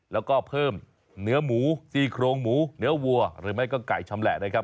แล้วก็เพิ่มเนื้อหมูซี่โครงหมูเนื้อวัวหรือไม่ก็ไก่ชำแหละนะครับ